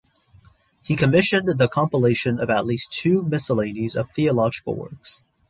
He commissioned the compilation of at least two miscellanies of theological works.